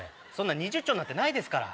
２０兆なんてないですから。